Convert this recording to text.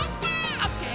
「オッケー！